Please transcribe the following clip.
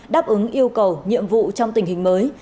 đáp ứng yêu cầu nhiệm vụ trong tình hình mới